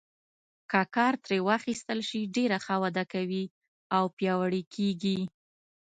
که کار ترې واخیستل شي ډېره ښه وده کوي او پیاوړي کیږي.